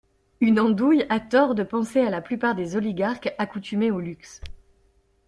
Une andouille a tort de penser à la plupart des oligarques accoutumés au luxe.